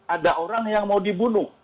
ada orang yang mau dibunuh